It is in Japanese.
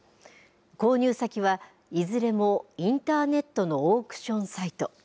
購入先は、いずれもインターネットのオークションサイト。